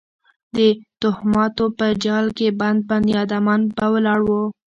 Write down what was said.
د توهماتو په جال کې بند بنیادمان به ولاړ وو.